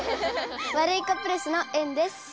ワルイコプレスのえんです。